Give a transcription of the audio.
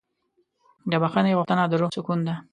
د بښنې غوښتنه د روح سکون ده.